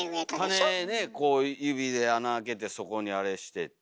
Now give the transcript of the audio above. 種ねこう指で穴開けてそこにあれしてって。